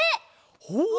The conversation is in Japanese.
ほう。